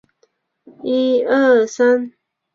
长芒看麦娘为禾本科看麦娘属下的一个种。